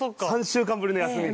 ３週間ぶりの休み。